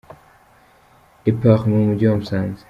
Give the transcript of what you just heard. Le Palme mu mujyi wa Musanze.